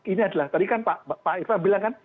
ini adalah tadi kan pak irfan bilang kan